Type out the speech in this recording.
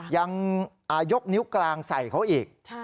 ยังยกนิ้วกลางใส่เขาอีก